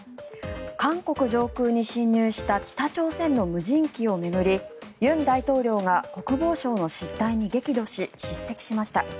韓国上空に侵入した北朝鮮の無人機を巡り尹大統領が国防省の失態に激怒し叱責しました。